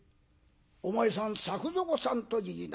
「お前さん作蔵さんといいなさるか。